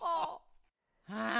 ああ。